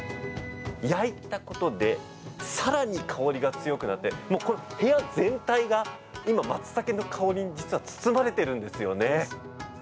焼いたことでさらに香りが強くなって部屋全体が今、まつたけの香りに実は包まれているんですよね。